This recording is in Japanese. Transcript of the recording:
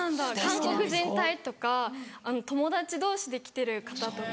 韓国人隊とか友達同士で来てる方とか。